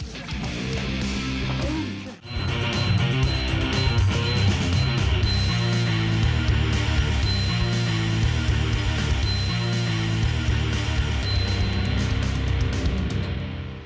โปรดติดตามตอนต่อไป